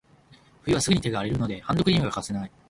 冬はすぐに手が荒れるので、ハンドクリームが欠かせない。